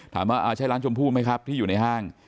ถามว่าใช่ร้านชมพู่ไหมครับที่อยู่ในห้าง